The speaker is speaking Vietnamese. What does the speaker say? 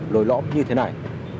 lồi lõm như thế này